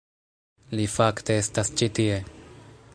Li fakte estas ĉi tie